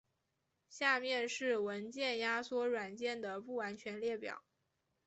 下面是文件压缩软件的不完全列表。